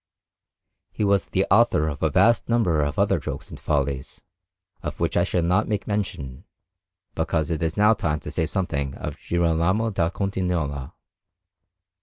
He was the author of a vast number of other jokes and follies, of which I shall not make mention, because it is now time to say something of Girolamo da Cotignola.